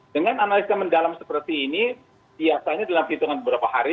dengan analisa mendalam seperti ini biasanya dalam hitungan beberapa hari